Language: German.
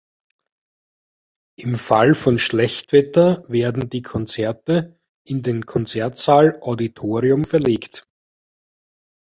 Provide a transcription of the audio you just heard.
Im Fall von Schlechtwetter werden die Konzerte in den Konzertsaal Auditorium verlegt.